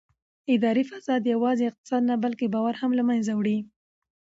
اداري فساد یوازې اقتصاد نه بلکې باور هم له منځه وړي